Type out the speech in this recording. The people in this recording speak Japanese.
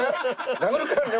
殴るからね